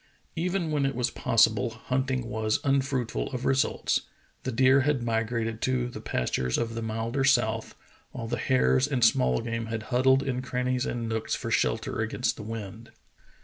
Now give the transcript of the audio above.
Even when it was possible hunting was unfruitful of results; the deer had migrated to the pastures of the milder south, while the hares and small game had huddled in crannies and nooks for shelter against the wind.